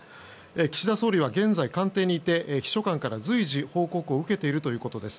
岸田総理は現在、官邸にいて秘書官から随時、報告を受けているということです。